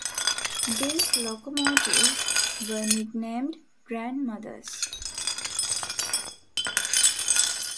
These locomotives were nicknamed "Grandmothers".